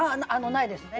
ないですね。